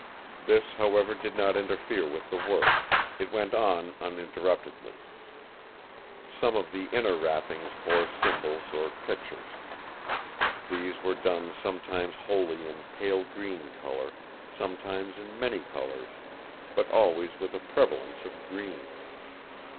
This, however, did not interfere with the work; it went on uninterruptedly. Some of the inner wrappings bore symbols or pictures. These were done sometimes wholly in pale green colour, sometimes in many colours; but always with a prevalence of green.